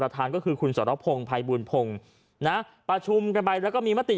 แต่อันนี้